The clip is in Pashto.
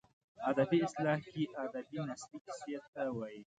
ادبي اصطلاح کې ادبي نثري کیسې ته وايي.